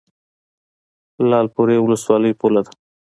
لعل پورې ولسوالۍ پوله ده؟